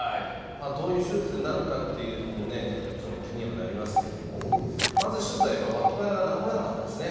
どういう手術になるかというところももちろん気にはなりますけど、まず一つは脇腹が治らなかったですね。